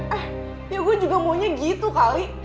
eh yuk gue juga maunya gitu kali